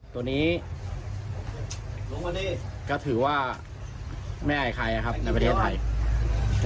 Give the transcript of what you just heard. ตัวนี้ก็ถือว่าแม่ใครนะครับในประเทศไทย